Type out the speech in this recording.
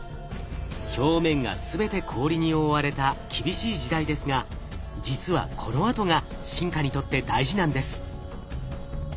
表面が全て氷に覆われた厳しい時代ですが実はこのあとが進化にとって大事なんです。